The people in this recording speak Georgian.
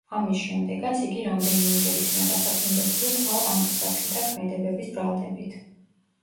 ამის შემდეგაც იგი რამდენიმეჯერ იქნა დაპატიმრებული, კვლავ ანტისაბჭოთა ქმედებების ბრალდებით.